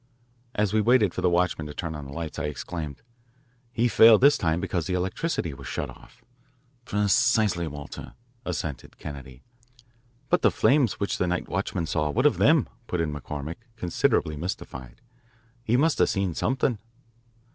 As we waited for the watchman to turn on the lights I exclaimed, "He failed this time because the electricity was shut off." Precisely, Walter," assented Kennedy. "But the flames which the night watchman saw, what of them?" put in McCormick, considerably mystified. "He must have seen something."